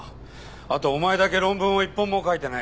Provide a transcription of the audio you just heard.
あとお前だけ論文を一本も書いてない。